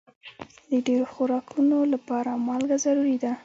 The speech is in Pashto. د ډېرو خوراکونو لپاره مالګه ضروري ده.